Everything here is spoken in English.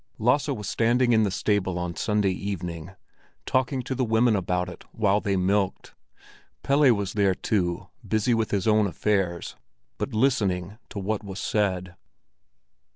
Lasse was standing in the stable on Sunday evening talking to the women about it while they milked. Pelle was there too, busy with his own affairs, but listening to what was said.